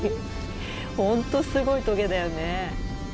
本当すごいトゲだよね。